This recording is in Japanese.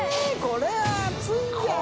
これは厚いじゃん。